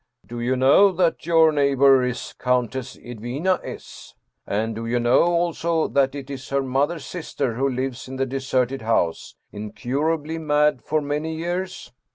" Do you know that your neighbor is Countess Edwina S. ? And do you know also that it is her mother's sister who lives in the deserted house, incurably mad for many years?